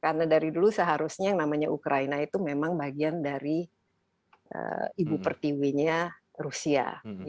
karena dari dulu seharusnya yang namanya ukraina itu memang bagian dari ibu pertiwinya rusia